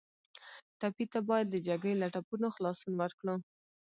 ټپي ته باید د جګړې له ټپونو خلاصون ورکړو.